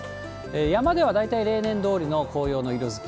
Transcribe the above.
山では大体例年どおりの紅葉の色づき。